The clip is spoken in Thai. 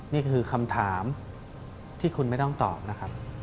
นี่คือคำถามที่คุณไม่ต้องตอบนะครับ